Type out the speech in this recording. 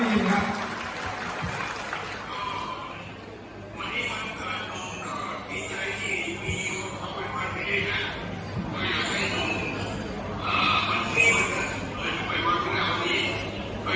เอ๋อมะนี้มันเลยมาปิดใจดีกว่ากดไปว่าขนาดนี้นะ